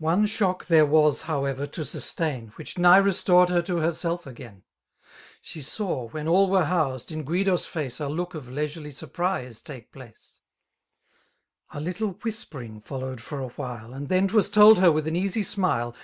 One shock there was, however^ to sustain. Which nigh restored her to herself again. She saw, when all were housed, in Giiido's fsuce A look of leisurely surprise take places A little whispering followed for a while^ And then 'twas told her with an easy smile.